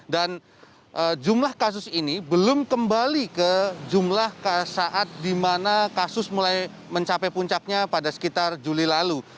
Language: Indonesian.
dan jumlah kasus ini belum kembali ke jumlah saat di mana kasus mulai mencapai puncaknya pada sekitar juli lalu